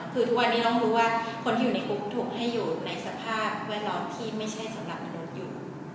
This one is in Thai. คือทุกวันนี้ต้องรู้ว่าคนที่อยู่ในกรุ๊ปถูกให้อยู่ในสภาพแวดล้อมที่ไม่ใช่สำหรับมนุษย์อยู่